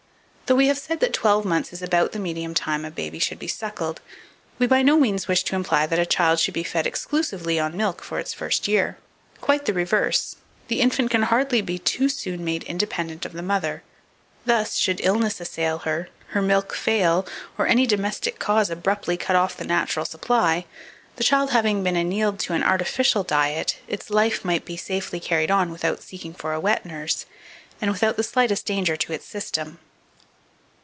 2488. Though we have said that twelve months is about the medium time a baby should be suckled, we by no means wish to imply that a child should be fed exclusively on milk for its first year; quite the reverse; the infant can hardly be too soon made independent of the mother. Thus, should illness assail her, her milk fail, or any domestic cause abruptly cut off the natural supply, the child having been annealed to an artificial diet, its life might be safely carried on without seeking for a wet nurse, and without the slightest danger to its system.